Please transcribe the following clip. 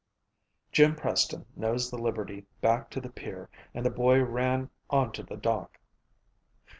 Jim Preston nosed the Liberty back to the pier and the boy ran onto the dock.